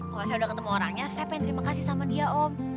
kalau saya udah ketemu orangnya saya pengen terima kasih sama dia om